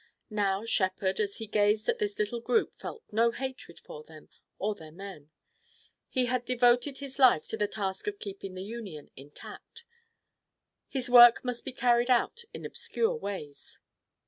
Now Shepard as he gazed at this little group felt no hatred for them or their men. He had devoted his life to the task of keeping the Union intact. His work must be carried out in obscure ways.